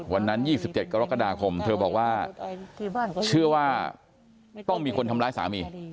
วันนั้น๒๗กรกฎาคมเธอบอกว่าเชื่อว่าต้องมีคนทำร้ายสามี